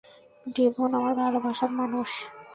Devon, আমার ভালোবাসার মানুষ।